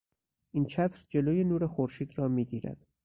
این چتر جلو نور خورشید را میگیرد.